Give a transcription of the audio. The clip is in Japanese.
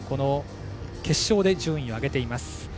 決勝で順位を上げています。